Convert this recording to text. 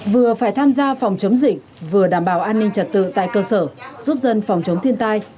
vừa phải tham gia phòng chống dịch vừa đảm bảo an ninh trật tự tại cơ sở giúp dân phòng chống thiên tai